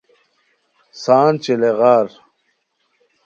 سان چالیغار